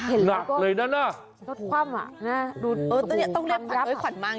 ต้องเรียกขวัญมากจริง